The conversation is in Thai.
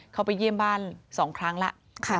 เขาไปเยี่ยมบ้าน๒ครั้งแล้ว